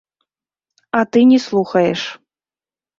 А ты не слухаеш.